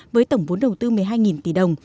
với tổng vốn đầu tư một mươi hai tỷ đồng